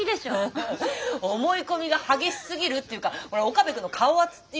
思い込みが激しすぎるっていうかほら岡部くんの顔圧っていうの？